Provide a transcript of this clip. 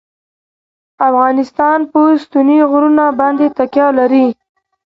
افغانستان په ستوني غرونه باندې تکیه لري.